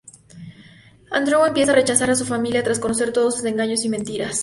Andreu empieza a rechazar a su familia tras conocer todos sus engaños y mentiras.